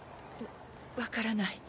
分からない。